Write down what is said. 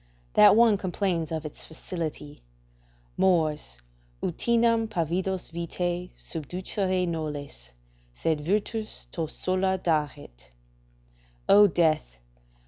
That one complains of its facility: "Mors! utinam pavidos vitae subducere nolles. Sed virtus to sola daret!" ["O death!